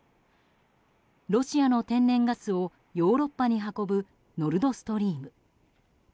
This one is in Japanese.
ロシアの天然ガスをヨーロッパに運ぶ、ノルドストリーム。